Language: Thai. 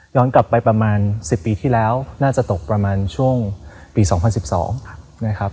กลับไปประมาณ๑๐ปีที่แล้วน่าจะตกประมาณช่วงปี๒๐๑๒นะครับ